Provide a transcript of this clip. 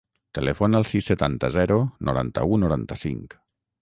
Telefona al sis, setanta, zero, noranta-u, noranta-cinc.